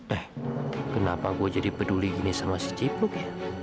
eh kenapa gue jadi peduli gini sama si cipuk ya